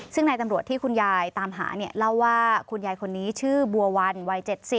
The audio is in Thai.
ซึ่งนายตำรวจที่คุณยายตามหาเนี่ยเล่าว่าคุณยายคนนี้ชื่อบัววันวัย๗๐